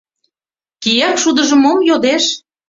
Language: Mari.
Кияк шудыжо мом йодеш?